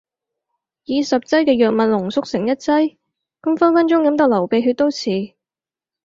以十劑嘅藥物濃縮成一劑？咁分分鐘飲到流鼻血都似